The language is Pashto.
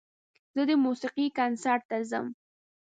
زه د موسیقۍ کنسرت ته ځم.